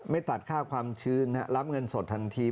ไม่ตัดค่าความชื้นรับเงินสดทันที